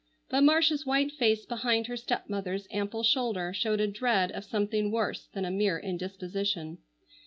But Marcia's white face behind her stepmother's ample shoulder showed a dread of something worse than a mere indisposition.